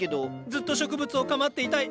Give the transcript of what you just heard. ずっと植物を構っていたい。